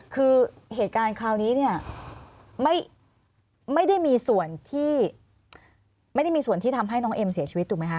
คือเหตุการณ์คราวนี้เนี่ยไม่ได้มีส่วนที่ไม่ได้มีส่วนที่ทำให้น้องเอ็มเสียชีวิตถูกไหมคะ